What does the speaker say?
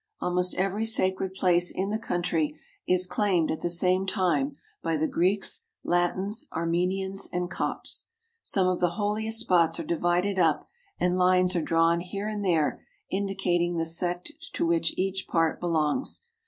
Almost every sacred place in the country is claimed at the same time by the Greeks, Latins, Armen ians, and Copts. Some of the holiest spots are divided up, and lines are drawn here and there indicating the sect to which each part belongs.